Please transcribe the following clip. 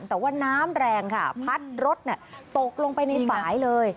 แต่ว่าน้ำแรงค่ะพัดรถตกลงไปในฝ่ายเลย